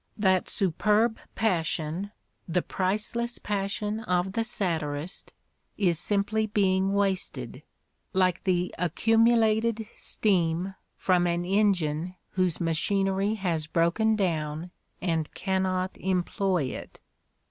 That superb passion, the priceless passion of the satirist, is simply being wasted, like the accumulated steam from an engine whose machinery has broken down and cannot employ it.